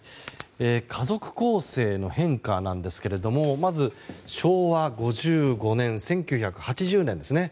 家族構成の変化なんですけれどまず昭和５５年１９８０年ですね。